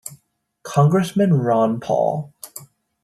Congressman Ron Paul.